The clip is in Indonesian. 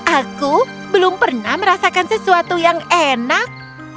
aku belum pernah merasakan sesuatu yang enak